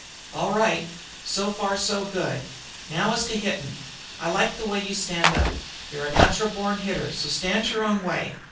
"All right. So far so good. Now as to hittin'. I like the way you stand up. You 're a natural born hitter, so stand your own way.